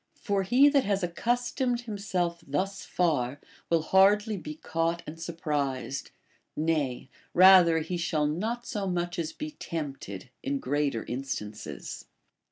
For he that has accustomed himself thus far will hardly be caught and surprised, nay, rather he shall not so much as be tempted, in greater instances.